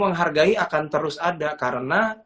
menghargai akan terus ada karena